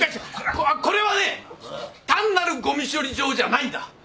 これはね単なるゴミ処理場じゃないんだ！